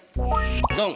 ドン！